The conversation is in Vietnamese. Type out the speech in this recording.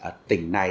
ở tỉnh này